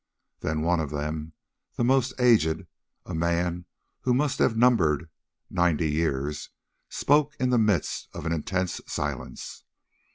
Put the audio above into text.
Then one of them, the most aged, a man who must have numbered ninety years, spoke in the midst of an intense silence.